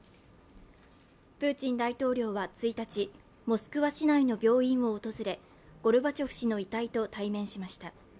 プーチン大統領は１日、モスクワ市内の病院を訪れ、ゴルバチョフ氏の遺体と対面しました。